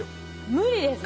無理です。